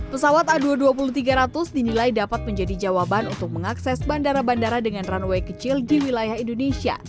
pesawat a dua ratus dua puluh tiga ratus dinilai dapat menjadi jawaban untuk mengakses bandara bandara dengan runway kecil di wilayah indonesia